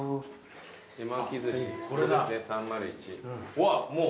うわもう。